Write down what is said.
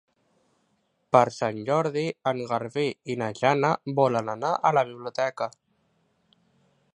Per Sant Jordi en Garbí i na Jana volen anar a la biblioteca.